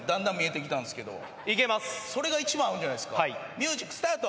ミュージックスタート。